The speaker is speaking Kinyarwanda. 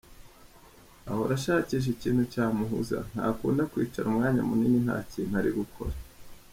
Ahora ashakisha ikintu kimuhuza, ntakunda kwicara umwanya munini nta kintu ari gukora.